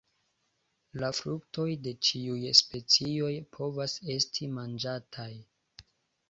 La fruktoj de ĉiuj specioj povas esti manĝataj.